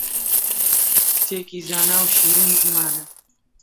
کچێکی زانا و شیرین زمانە